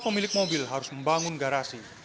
pemilik mobil harus membangun garasi